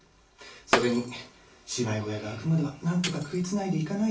それに芝居小屋が開くまではなんとか食いつないでいかないと。